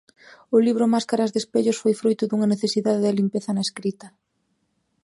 O libro 'Máscaras de Espellos' foi froito dunha necesidade de limpeza na escrita.